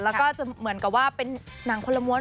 แล้วก็จะเหมือนกับว่าเป็นหนังคนละม้วน